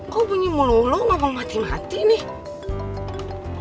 kok bunyi melulu ngomong mati mati nih